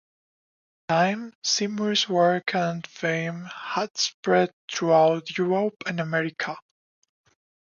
In time, Seymour's work and fame had spread throughout Europe and America.